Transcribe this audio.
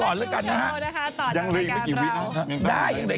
เร็วกันกลับยังไม่ได้นะ